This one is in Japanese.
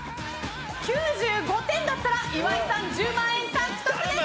９５点だったら岩井さん１０万円獲得です！